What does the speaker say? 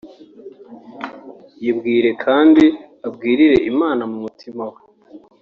yibwire kandi abwirire Imana mu mutima we